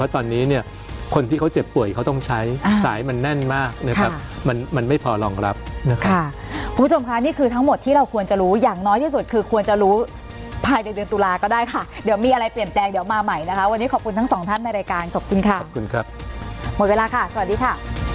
ตอนนี้เนี่ยคนที่เขาเจ็บป่วยเขาต้องใช้สายมันแน่นมากนะครับมันมันไม่พอรองรับนะคะคุณผู้ชมค่ะนี่คือทั้งหมดที่เราควรจะรู้อย่างน้อยที่สุดคือควรจะรู้ภายในเดือนตุลาก็ได้ค่ะเดี๋ยวมีอะไรเปลี่ยนแปลงเดี๋ยวมาใหม่นะคะวันนี้ขอบคุณทั้งสองท่านในรายการขอบคุณค่ะขอบคุณครับหมดเวลาค่ะสวัสดีค่ะ